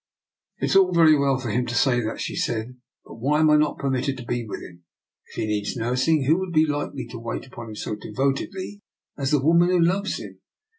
" It is all very well for him to say that," she said, " but why am I not permitted to be with him? If he needs nursing, who would be likely to wait upon him so devotedly as the woman who loves him?